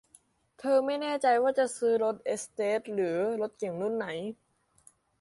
เธอไม่แน่ใจว่าจะซื้อรถเอสเตทหรือรถเก๋งรุ่นไหน